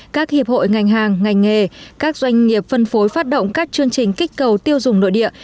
các hiệp hội ngành hàng ngành nghề các doanh nghiệp phân phối phát động các chương trình kích cầu tiêu dùng nội địa